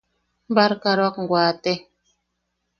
Barkaroawak wate.